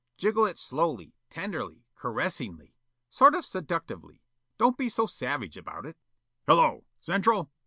"Jiggle it slowly, tenderly, caressingly. Sort of seductively. Don't be so savage about it." "Hello! Central?